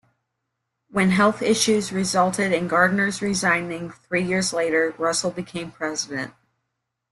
When health issues resulted in Gardiner's resigning three years later, Russell became president.